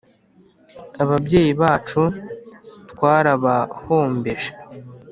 ababyeyi bacu, twarabahombeje